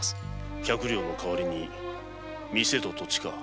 百両の代わりに店と土地か。